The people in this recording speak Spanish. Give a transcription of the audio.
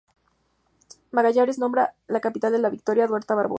Magallanes nombra capitán de la "Victoria" a Duarte Barbosa.